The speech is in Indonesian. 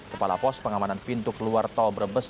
kepala pos pengamanan pintu keluar tol brebes